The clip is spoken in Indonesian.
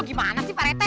gimana sih pak rete